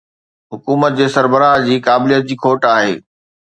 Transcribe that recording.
حڪومت جي سربراهه جي قابليت جي کوٽ آهي.